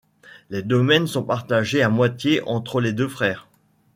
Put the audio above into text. Les domaines sont partagés à moitié entre les deux frères.